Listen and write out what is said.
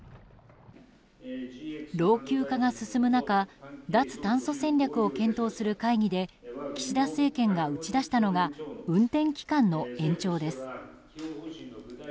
老朽化が進む中脱炭素戦略を検討する会議で岸田政権が打ち出したのが運転期間の延長です。